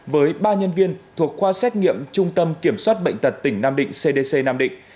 với ba nhân viên thuộc khoa xét nghiệm trung tâm kiểm soát bệnh tật tỉnh nam định cdc nam định